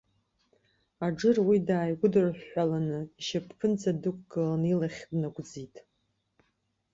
Аџыр, уи дааигәыдырӷәӷәаланы, ишьап ԥынҵа дықәгылан илахь днагәӡит.